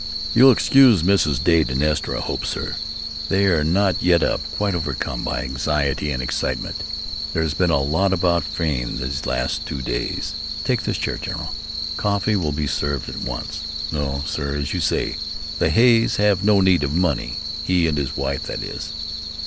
"You'll excuse Mrs. Dade and Esther, I hope, sir. They are not yet up quite overcome by anxiety and excitement, there's been a lot about Frayne the last two days. Take this chair, General. Coffee will be served at once. No, sir, as you say, the Hays have no need of money he and his wife, that is."